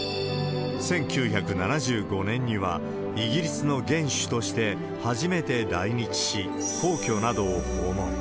１９７５年には、イギリスの元首として初めて来日し、皇居などを訪問。